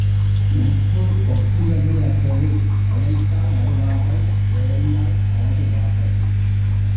நட்பு ஒப்புயர்வு அற்றது அழைத்தால் வருவார்கள் விழைந்தால் பழகுவார்கள்.